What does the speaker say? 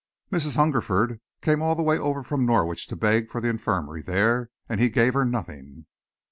"Mrs. Hungerford came all the way over from Norwich to beg for the infirmary there, and he gave her nothing."